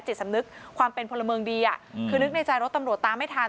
สำนึกความเป็นพลเมืองดีคือนึกในใจรถตำรวจตามไม่ทัน